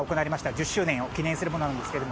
１０周年を記念するものなんですけど。